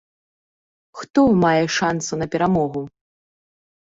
Хто мае шансы на перамогу?